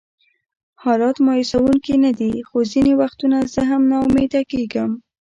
حالات مایوسونکي نه دي، خو ځینې وختونه زه هم ناامیده کېږم.